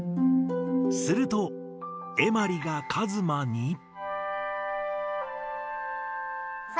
するとエマリがカズマに。